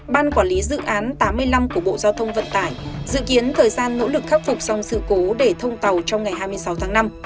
ban quản lý dự án tám mươi năm của bộ giao thông vận tải dự kiến thời gian nỗ lực khắc phục xong sự cố để thông tàu trong ngày hai mươi sáu tháng năm